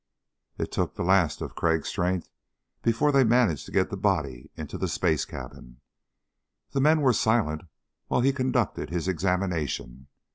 It took the last of Crag's strength before they managed to get the body into the space cabin. The men were silent while he conducted his examination.